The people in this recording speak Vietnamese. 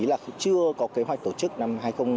là chưa có kế hoạch tổ chức năm hai nghìn hai mươi